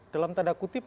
dalam tanda kutip